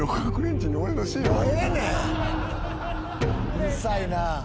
うるさいなぁ。